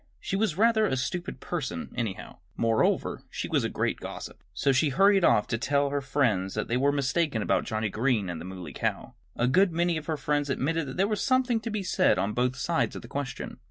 She was rather a stupid person, anyhow. Moreover, she was a great gossip. So she hurried off to tell all her friends that they were mistaken about Johnnie Green and the Muley Cow. A good many of her friends admitted that there was something to be said on both sides of the question.